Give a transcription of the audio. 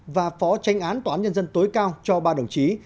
và phó tranh án tòa án nhân dân tối cao cho ba đồng chí